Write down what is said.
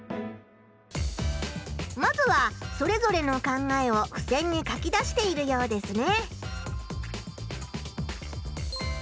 まずはそれぞれの考えをふせんに書き出しているようですね。